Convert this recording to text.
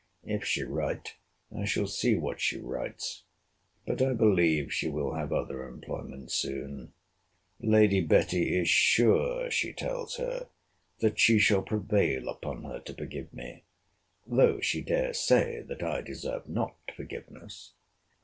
If she write, I shall see what she writes. But I believe she will have other employment soon. Lady Betty is sure, she tells her, that she shall prevail upon her to forgive me; though she dares say, that I deserve not forgiveness.